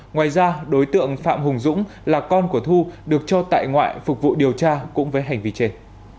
ngoài ra đối tượng phạm hùng dũng là con của thu được cho tại ngoại phục vụ điều tra cũng với hành vi trên